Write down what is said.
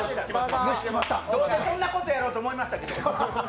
どうせそんなことやろうと思いましたけど。